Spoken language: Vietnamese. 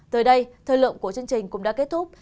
tới đây thời lượng của chương trình cũng đã kết thúc